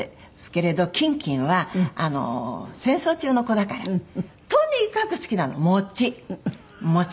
キンキンは戦争中の子だからとにかく好きなの餅餅。